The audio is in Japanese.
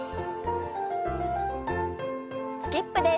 スキップです。